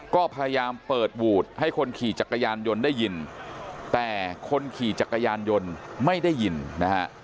ก็พยายามเปิดวูดให้คนขี่จักรยานยนต์ได้ยินแต่คนขี่จักรยานยนต์ไม่ได้ยินนะฮะ